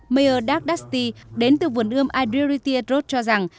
mayor doug dusty đến từ vườn ươm adiritya road cho rằng